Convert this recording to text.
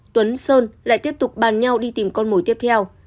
tuấn sơn lại tiếp tục bàn nhau đi tìm con mồi tiếp theo